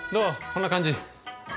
こんな感じ。